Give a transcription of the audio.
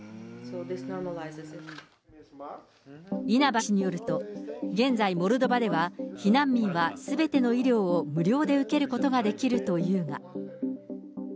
稲葉医師によると、現在、モルドバでは避難民はすべての医療を無料で受けることができるというが。